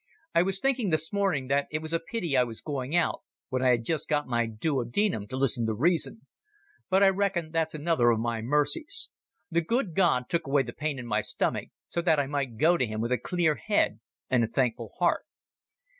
I was thinking this morning that it was a pity I was going out when I had just got my duo denum to listen to reason. But I reckon that's another of my mercies. The good God took away the pain in my stomach so that I might go to Him with a clear head and a thankful heart."